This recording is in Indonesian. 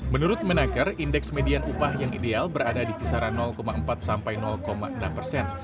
menurut menaker indeks median upah yang ideal berada di kisaran empat sampai enam persen